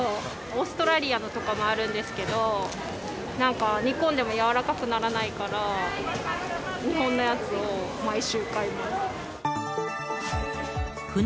オーストラリアとかのもあるんですけれども、なんか、煮込んでも軟らかくならないから、日本のやつを毎週買います。